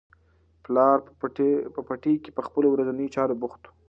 پلار په پټي کې په خپلو ورځنیو چارو بوخت و.